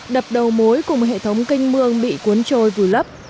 đập đầu mối cùng hệ thống canh mương bị cuốn trôi vùi lấp